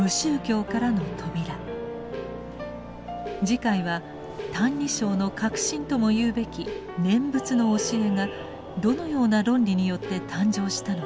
次回は「歎異抄」の核心とも言うべき念仏の教えがどのような論理によって誕生したのか